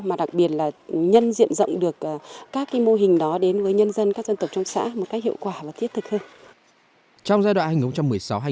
mà đặc biệt là nhân diện rộng được các cái mô hình đó đến với nhân dân các dân tộc trong xã một cách hiệu quả và thiết thực hơn